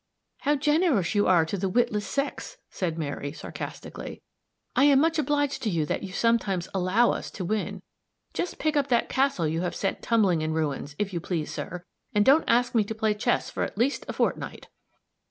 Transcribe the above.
"How generous you are to the witless sex," said Mary, sarcastically. "I am much obliged to you, that you sometimes allow us to win. Just pick up that castle you have sent tumbling in ruins, if you please, sir and don't ask me to play chess for at least a fortnight."